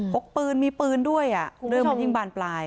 กปืนมีปืนด้วยเรื่องมันยิ่งบานปลาย